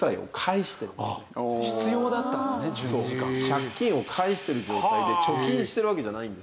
借金を返してる状態で貯金してるわけじゃないんですよ。